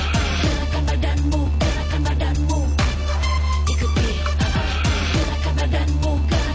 tiada farmer sudah kreally langsung